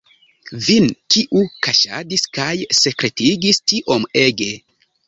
Vin, kiu kaŝadis kaj sekretigis tiom ege!